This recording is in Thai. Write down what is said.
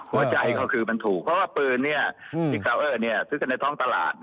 หัวใจเขาคือมันถูกเพราะว่าปืนที่เขาเอ่อซื้อกันในท้องตลาด